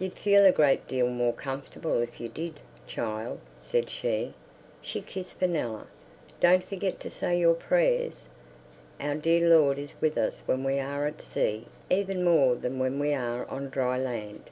"You'd feel a great deal more comfortable if you did, child," said she. She kissed Fenella. "Don't forget to say your prayers. Our dear Lord is with us when we are at sea even more than when we are on dry land.